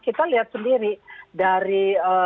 kita lihat sendiri dari